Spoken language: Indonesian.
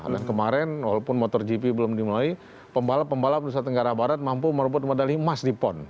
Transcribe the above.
dan kemarin walaupun motor gp belum dimulai pembalap pembalap dari negara barat mampu merebut modal emas di pond